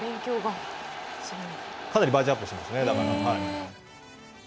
かなりバージョンアップしてます。